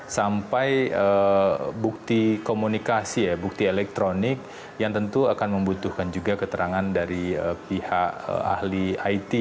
sampai bukti komunikasi ya bukti elektronik yang tentu akan membutuhkan juga keterangan dari pihak ahli it